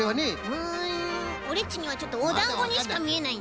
うんオレっちにはちょっとおだんごにしかみえない。